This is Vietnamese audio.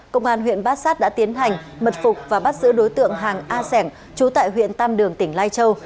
công an huyện bát sát đã tiến hành mật phục và bắt giữ đối tượng hàng a sẻng chú tại huyện tam đường tỉnh lai châu